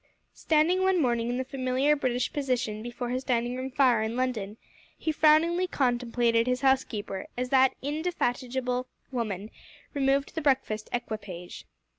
Standing one morning in the familiar British position before his dining room fire in London, he frowningly contemplated his housekeeper as that indefatigable woman removed the breakfast equipage.